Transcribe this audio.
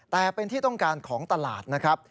แต่เป็นที่ต้องการของตลาดนะครับ